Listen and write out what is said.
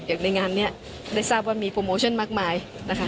ในงานนี้ได้ทราบว่ามีโปรโมชั่นมากมายนะคะ